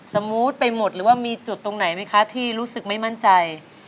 สมูทไปหมดหรือว่ามีจุดตรงไหนไหมคะที่รู้สึกไม่มั่นใจ